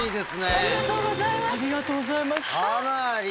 ありがとうございます。